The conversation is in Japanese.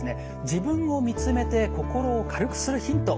自分を見つめて心を軽くするヒント